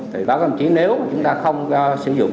thì báo công chí nếu chúng ta không sử dụng